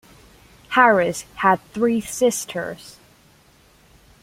Harris had three sisters.